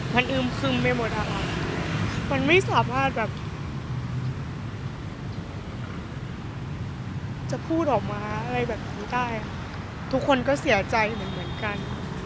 มันอึมซึมไปหมดอะค่ะมันไม่สามารถแบบจะพูดออกมาอะไรแบบนี้ได้ค่ะทุกคนก็เสียใจเหมือนกัน